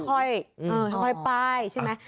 ค่อยไปใช่ไหม